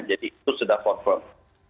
jadi itu sudah confirm